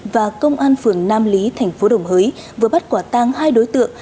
và công an phường nam lý tp đồng hới vừa bắt quả tang hai đối tượng